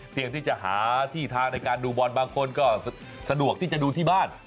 ที่จะหาที่ทางในการดูบอลบางคนก็สะดวกที่จะดูที่บ้าน